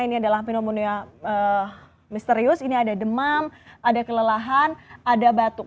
ini adalah pneumonia misterius ini ada demam ada kelelahan ada batuk